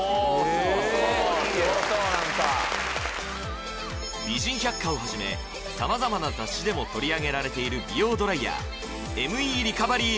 そうすごそう何か「美人百花」をはじめ様々な雑誌でも取り上げられている美容ドライヤーＭＥリカバリー